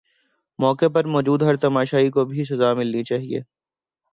موقع پر موجود ہر تماشائی کو بھی سزا ملنی چاہیے